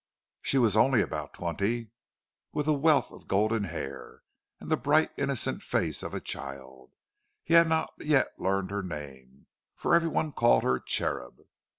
She was only about twenty, with a wealth of golden hair and the bright, innocent face of a child; he had not yet learned her name, for every one called her "Cherub."